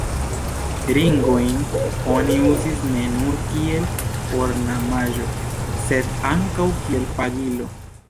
Ringojn oni uzis ne nur kiel ornamaĵo, sed ankaŭ kiel pagilo.